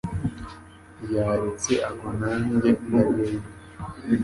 Yaretse agwa nanjye ndagenda